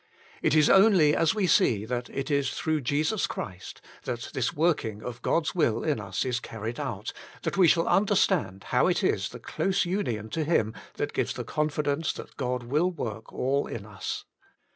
It is only as we see, that it is through Jesus Christ, that this working of God's will in us is carried out, that we shall understand how it is the close union to Him that gives the confidence that God will work all in us.